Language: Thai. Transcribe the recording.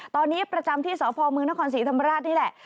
ตอนนี้ประจำที่สพมนครศรีธรรมราชนี่แหละ